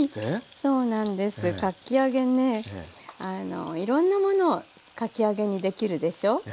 そうなんですかき揚げねいろんなものをかき揚げにできるでしょ。